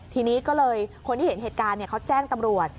ทีนี้ก็เลยคนที่เห็นเหตุการณ์เขาแจ้งตำรวจ